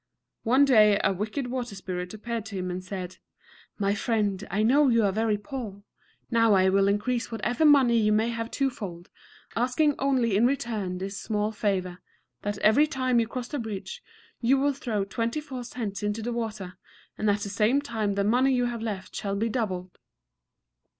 One day a wicked water spirit appeared to him and said: "My friend, I know you are very poor. Now I will increase whatever money you may have twofold, asking only in return this small favor, that every time you cross the bridge you will throw twenty four cents into the water, and at the same time the money you have left shall be doubled."